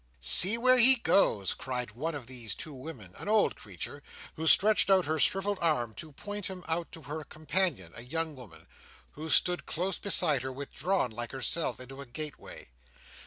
"See where he goes!" cried one of these two women, an old creature, who stretched out her shrivelled arm to point him out to her companion, a young woman, who stood close beside her, withdrawn like herself into a gateway.